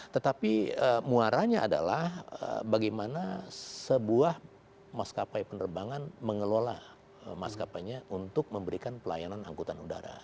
tetapi muaranya adalah bagaimana sebuah mas kpi penerbangan mengelola mas kpi nya untuk memberikan pelayanan angkutan udara